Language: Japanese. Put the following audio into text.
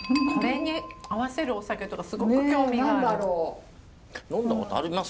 これに合わせるお酒とかすごく興味がある。